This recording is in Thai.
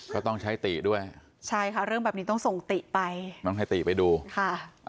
ก็ต้องใช้ติด้วยใช่ค่ะเรื่องแบบนี้ต้องส่งติไปต้องให้ติไปดูค่ะ